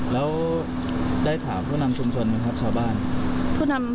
แล้วได้ถามผู้นำชุมชนไหมครับชาวบ้าน